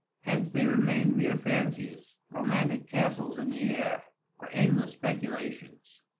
Hence they remain mere fancies, romantic castles in the air, or aimless speculations.